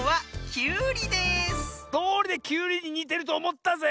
どおりでキュウリににてるとおもったぜ！